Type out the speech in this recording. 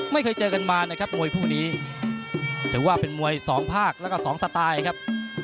ไม่เคยเจอกันมานะครับมวยคู่นี้ถือว่าเป็นมวยสองภาคแล้วก็สองสไตล์ครับ